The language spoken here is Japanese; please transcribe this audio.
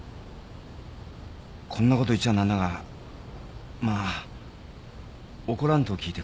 こんなこと言っちゃあ何だがまあ怒らんと聞いてくれや。